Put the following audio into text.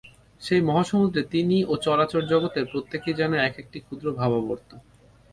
সেই মহাসমুদ্রে তিনি ও চরাচর জগতের প্রত্যেকেই যেন এক-একটি ক্ষুদ্র ভাবাবর্ত।